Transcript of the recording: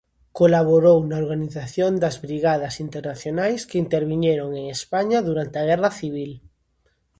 Colaborou na organización das Brigadas Internacionais que interviñeron en España durante a Guerra Civil.